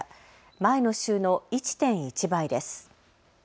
前の週の１．１倍です。